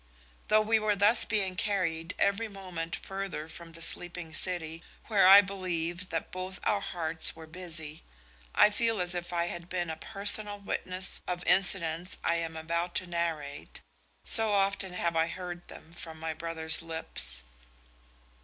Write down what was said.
Though we were thus being carried every moment further from the sleeping city, where I believe that both our hearts were busy, I feel as if I had been a personal witness of the incidents I am about to narrate, so often have I heard them from my brother's lips.